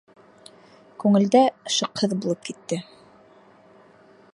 Күңелдә шыҡһыҙ булып китте.